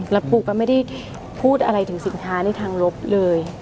แล้วปูก็ไม่ได้พูดอะไรถึงสินค้าในทางลบเลย